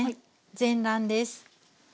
全卵です。